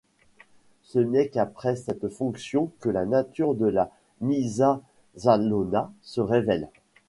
Ce n'est qu'après cette jonction que la nature de la Nysa Szalona se révèle.